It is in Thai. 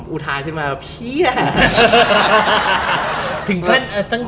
อุทายขึ้นมาคือพี่แบบ